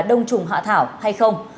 đông trùng hạ thảo hay không